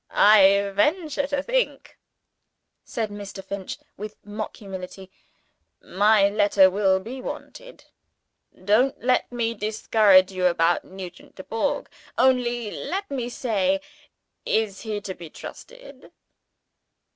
"I venture to think," said Mr. Finch with mock humility, "My Letter will be wanted. Don't let me discourage you about Nugent Dubourg. Only let me say: Is he to be trusted?"